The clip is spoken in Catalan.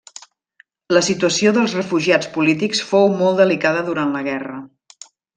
La situació dels refugiats polítics fou molt delicada durant la guerra.